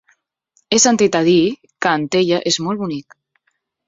He sentit a dir que Antella és molt bonic.